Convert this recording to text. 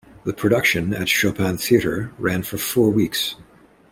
The production, at Chopin Theatre, ran for four weeks.